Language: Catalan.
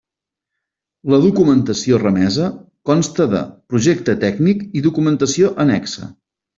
La documentació remesa consta de: projecte tècnic i documentació annexa.